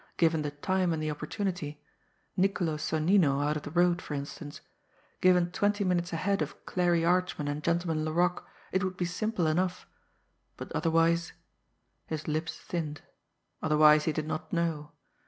Given the time and the opportunity Niccolo Sonnino out of the road, for instance given twenty minutes ahead of Clarie Archman and Gentleman Laroque, it would be simple enough. But otherwise his lips thinned otherwise, he did not know.